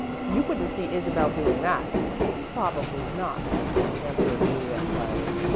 You wouldn't see Isabel doing that." "Probably not," answered Juliet, dryly.